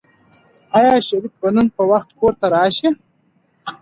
آیا شریف به نن په وخت کور ته راشي؟